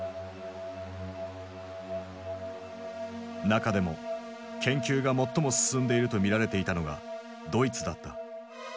中でも研究が最も進んでいると見られていたのがドイツだった。